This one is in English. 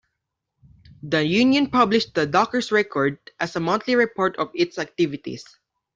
The union published the "Dockers' Record" as a monthly report of its activities.